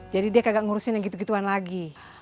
jadi dia kagak ngurusin yang gitu gituan lagi